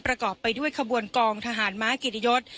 ประกอบไปด้วยขบวนกองทหารม้าเกียรติยศ